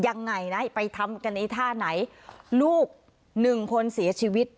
ยังไงนะไปทำกันไอ้ท่าไหนลูกหนึ่งคนเสียชีวิต